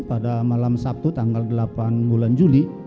pada malam sabtu tanggal delapan bulan juli